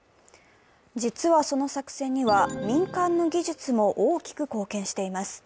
実は、その作戦には民間の技術も大きく貢献しています。